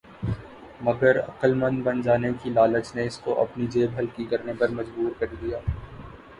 مگر عقل مند بن جانے کی لالچ نے اس کو اپنی جیب ہلکی کرنے پر مجبور کر دیا۔